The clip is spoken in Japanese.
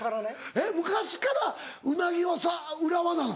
えっ昔からウナギは浦和なの？